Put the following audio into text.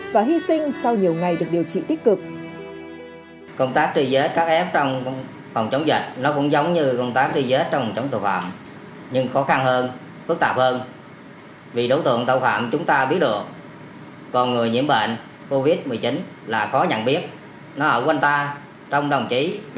và hy sinh sau nhiều ngày được điều trị tích cực